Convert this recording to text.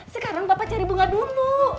sekarang bapak cari bunga dulu